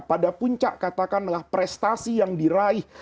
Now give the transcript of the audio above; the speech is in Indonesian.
pada puncak katakanlah prestasi yang diraih